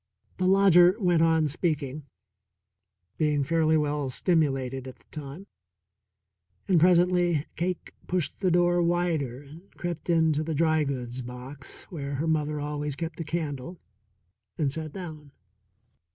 The lodger went on speaking, being fairly well stimulated at the time, and presently Cake pushed the door wider and crept in to the dry goods box, where her mother always kept a candle, and sat down.